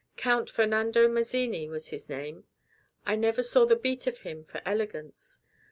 Count Fernando Mazzini was his name. I never saw the beat of him for elegance.